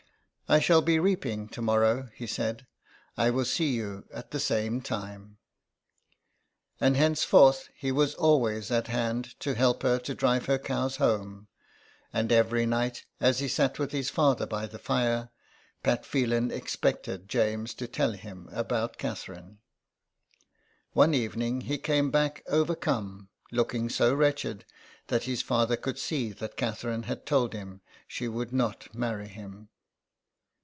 *' I shall be reaping to morrow," he said. " I will see you at the same time." 128 THE EXILE. And henceforth he was always at hand to help her to drive her cows home ; and every night, as he sat with his father by the fire, Pat Phelan expected James to tell him about Catherine. One evening he came back overcome, looking so wretched that his father could see that Catherine had told him she would not marry him.